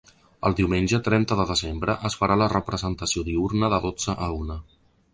El diumenge trenta de desembre es farà la representació diürna de dotze a una.